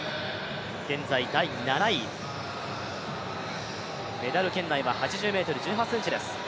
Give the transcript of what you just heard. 現在第７位、メダル圏内は８０ｍ１８ｃｍです。